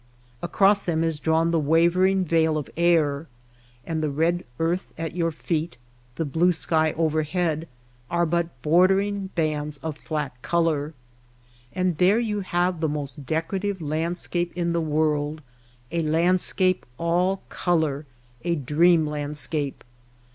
Across them is drawn the wavering veil of air, and the red earth at your feet, the blue sky overhead, are but bordering bands of flat color. And there you have the most decorative land scape in the world, a landscape all color, a dream landscape.